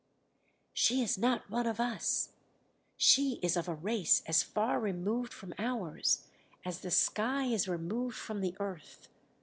"She is not one of us! She is of a race as far removed from ours as the sky is removed from the earth.